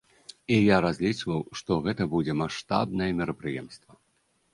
І я разлічваў, што гэта будзе маштабнае мерапрыемства.